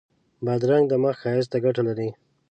بادرنګ د مخ ښایست ته ګټه لري.